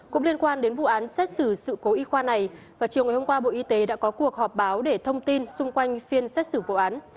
cũng liên quan đến vụ án xét xử sự cố y khoa này vào chiều ngày hôm qua bộ y tế đã có cuộc họp báo để thông tin xung quanh phiên xét xử vụ án